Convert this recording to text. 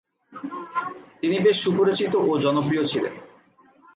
তিনি বেশ সুপরিচিত ও জনপ্রিয় ছিলেন।